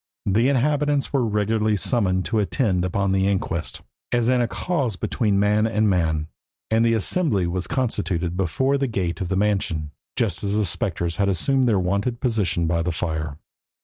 The inhabitants were regularly summoned to attend upon the inquest, as in a cause between man and man, and the assembly was constituted before the gate of the mansion, just as the spectres had assumed their wonted station by the fire.